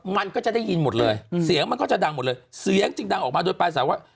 มันก็จะได้ยินหมดเลยเสียงมันก็จะดังหมดเลยเสียงจึงดังออกมาโดยปลายสายว่า